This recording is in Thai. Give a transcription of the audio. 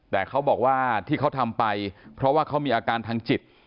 แต่เขาบอกว่าที่เขาทำไปเพราะว่าเขามีอาการทางจิต